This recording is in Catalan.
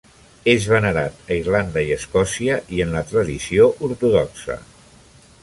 És venerat a Irlanda i Escòcia i en la tradició ortodoxa.